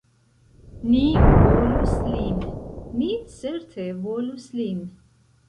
Ni volus lin, ni certe volus lin